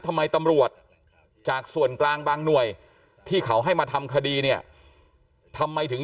ตำรวจจากส่วนกลางบางหน่วยที่เขาให้มาทำคดีเนี่ยทำไมถึง